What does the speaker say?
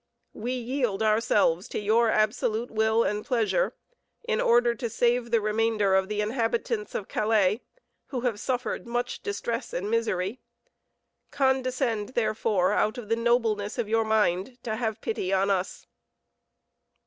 We yield ourselves to your absolute will and pleasure, in order to save the remainder of the inhabitants of Calais, who have suffered much distress and misery. Condescend, therefore, out of your nobleness of mind, to have pity on us."